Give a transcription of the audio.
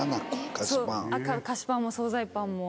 菓子パンも総菜パンも。